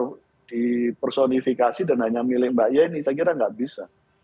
hanya bisa dipersonifikasi dan hanya milih mbak yeni saya kira tidak bisa